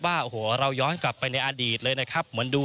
ตลาดแห่งนี้นะครับต้องบอกว่าเต็มไปด้วย